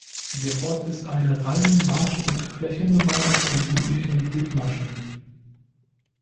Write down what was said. Der Ort ist eine reine Marsch- und Flächengemeinde im südlichen Dithmarschen.